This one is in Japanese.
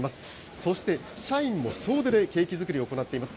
そして社員も総出でケーキ作りを行っています。